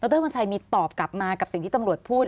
รวัญชัยมีตอบกลับมากับสิ่งที่ตำรวจพูด